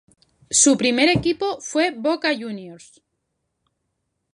Su primer equipo fue Boca Juniors.